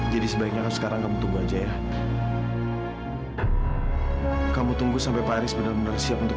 jadi sebaiknya sekarang kamu tunggu aja ya kamu tunggu sampai faris benar benar siap untuk